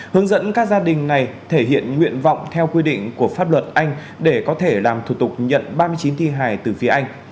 hướng dẫn các gia đình này thể hiện nguyện vọng theo quy định của pháp luật anh để có thể làm thủ tục nhận ba mươi chín thi hài từ phía anh